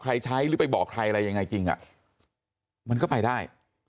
ใช้หรือไปบอกใครอะไรยังไงจริงมันก็ไปได้